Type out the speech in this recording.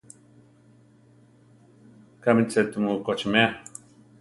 Kámi tze tumu kochímea?